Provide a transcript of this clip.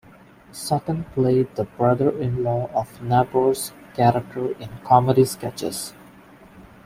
Sutton played the brother-in-law of Nabors' character in comedy sketches.